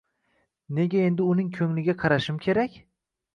Nega endi uning ko`ngliga qarashim kerak